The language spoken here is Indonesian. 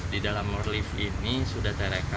di dalam lift ini sudah direkam pihak ea